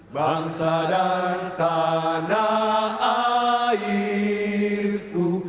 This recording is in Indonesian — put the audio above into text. bangsa dan tanah airku